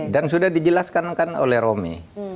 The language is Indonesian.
dan sudah dijelaskan kan oleh romy